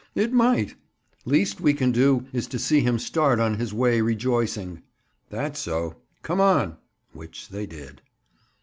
"It might. Least we can do is to see him start on his way rejoicing." "That's so. Come on." Which they did.